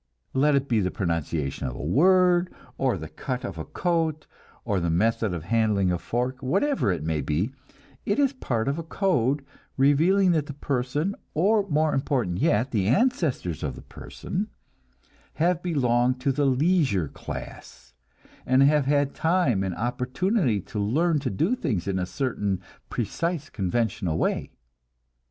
Let it be the pronunciation of a word, or the cut of a coat, or the method of handling a fork whatever it may be, it is part of a code, revealing that the person, or more important yet, the ancestors of the person, have belonged to the leisure class, and have had time and opportunity to learn to do things in a certain precise conventional way.